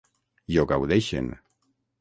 I ho gaudeixen.